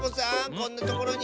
こんなところに！